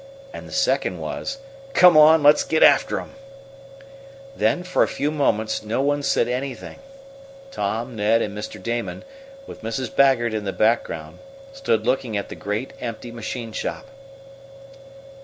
And the second was: "Come on, let's get after 'em!" Then, for a few moments, no one said anything. Tom, Ned, and Mr. Damon, with Mrs. Baggert in the background, stood looking at the great empty machine shop.